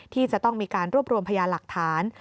ที่จะต้องมีการรวบรวมพยานหลักฐาน